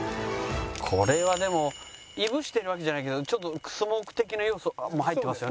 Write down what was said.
これはでも燻してるわけじゃないけどちょっとスモーク的な要素も入ってますよね。